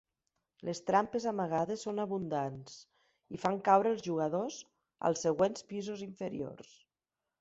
Les trampes amagades són abundants i fan caure els jugadors als següents pisos inferiors.